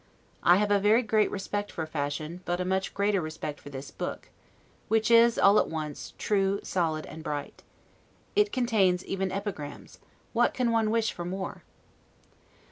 I have a very great respect for fashion, but a much greater for this book; which is, all at once, true, solid, and bright. It contains even epigrams; what can one wish for more?